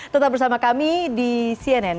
tetap bersama kami di cnn